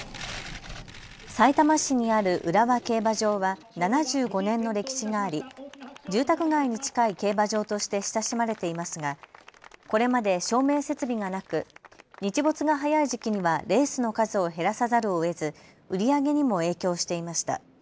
さいたま市にある浦和競馬場は７５年の歴史があり住宅街に近い競馬場として親しまれていますがこれまで照明設備がなく日没が早い時期にはレースの数を減らさざるをえず売り上げにも影響していました。